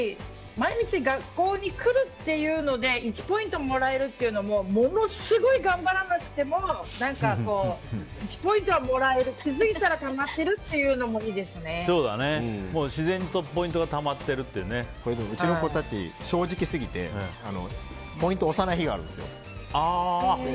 毎日学校に来るというので１ポイントもらえるっていうのもものすごい頑張らなくても１ポイントはもらえるという気づいたらたまっているというのも自然とうちの子たち正直すぎてポイント押さない日があるんですよ。